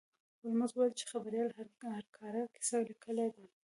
هولمز وویل چې خبریال هارکر کیسه لیکلې ده.